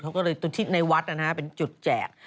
เขาก็เลยตรงที่ในวัดนะฮะเป็นจุดแจก